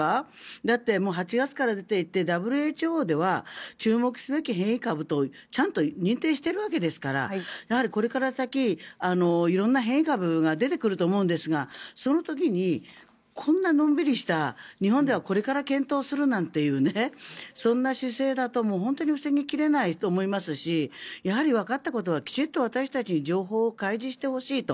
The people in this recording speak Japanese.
だって、８月から出ていてＷＨＯでは注目すべき変異株とちゃんと認定しているわけですからこれから先色んな変異株が出てくると思うんですがその時に、こんなのんびりした日本ではこれから検討するなんていうそんな姿勢だと防ぎ切れないと思いますしやはりわかったことはきちんと私たちに情報を開示してほしいと。